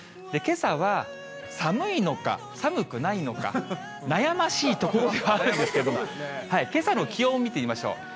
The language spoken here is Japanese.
けさは寒いのか、寒くないのか、悩ましいところではあるんですけれども、けさの気温を見てみましょう。